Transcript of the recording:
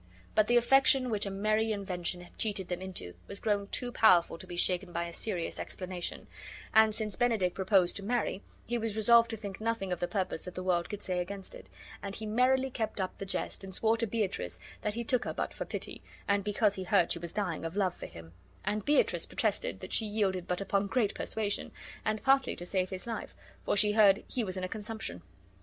But the affection which a merry invention had cheated them into was grown too powerful to be shaken by a serious explanation; and since Benedick proposed to marry, he was resolved to think nothing to the purpose that the world could say against it; and he merrily kept up the jest and swore to Beatrice that he took her but for pity, and because he heard she was dying of love for him; and Beatrice protested that she yielded but upon great persuasion, and partly to save his life, for she heard he was in a consumption.